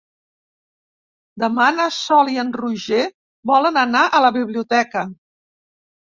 Demà na Sol i en Roger volen anar a la biblioteca.